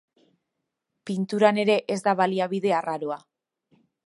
Pinturan ere ez da baliabide arraroa.